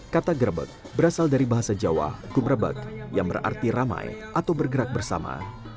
kata grebek berasal dari bahasa jawa kubrebek yang berarti ramai atau bergerak bersama